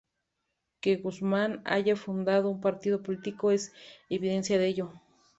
Que Guzmán haya fundado un partido político es evidencia de ello.